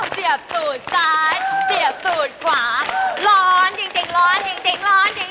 เสียบสูดซ้ายเสียบสูดขวาร้อนจริงร้อนจริงร้อนจริง